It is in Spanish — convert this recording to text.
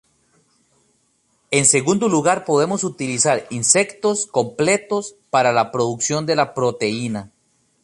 En segundo lugar podemos utilizar insectos completos para la producción de la proteína.